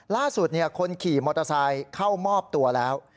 ล่าสุดคนขี่มอเตอร์ไซค์เข้ามอบตัวแล้ว